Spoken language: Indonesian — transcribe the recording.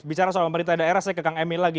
bicara soal pemerintah daerah saya ke kang emil lagi